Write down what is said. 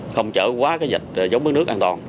không trở quá cái dạch dấu mớ nước an toàn